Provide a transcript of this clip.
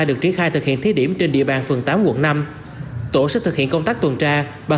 sẽ bị khai thực hiện thế điểm trên địa bàn phường tám quận năm tổ sẽ thực hiện công tác tuần tra bằng